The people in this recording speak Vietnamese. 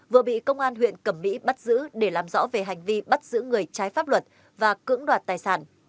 vừa bị công an huyện cẩm mỹ bắt giữ để làm rõ về hành vi bắt giữ người trái pháp luật và cưỡng đoạt tài sản